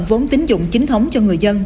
vốn tính dụng chính thống cho người dân